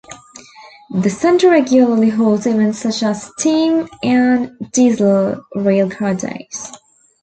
The centre regularly holds events such as steam and diesel railcar days.